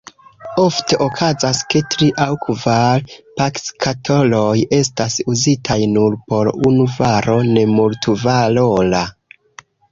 Ofte okazas, ke tri aŭ kvar pakskatoloj estas uzitaj nur por unu varo nemultvalora.